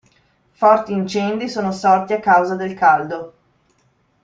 Forti incendi sono sorti a causa del caldo.